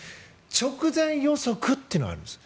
直前予測というのがあるんです。